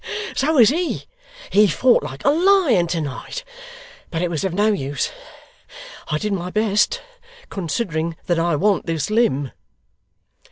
So is he. He fought like a lion tonight, but it was of no use. I did my best, considering that I want this limb.